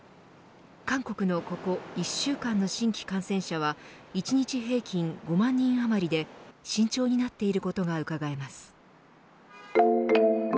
韓国のここ１週間の新規感染者は１日平均５万人あまりで慎重になっていることがうかがえます。